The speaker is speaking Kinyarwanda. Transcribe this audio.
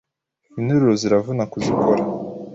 interuro ziravuna kuzikora